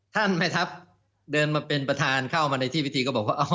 ท่านแม่ทัพเดินมาเป็นประธานเข้ามาในที่พิธีก็บอกว่า